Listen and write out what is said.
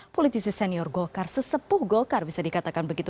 politisi senior golkar sesepuh golkar bisa dikatakan begitu